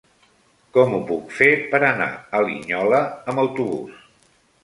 Com ho puc fer per anar a Linyola amb autobús?